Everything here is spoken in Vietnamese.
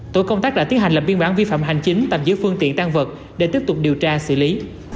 tổ công tác đã tiến hành lập biên bản vi phạm hành chính tạm giữ phương tiện tan vật để tiếp tục điều tra xử lý